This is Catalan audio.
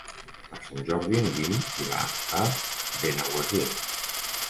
Per Sant Jordi en Guim irà a Benaguasil.